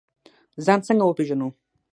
ځان څنګه وپیژنو؟